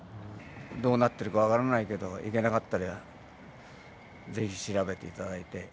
どうなってるか分からないけど、行けなかったら、ぜひ調べていただいて。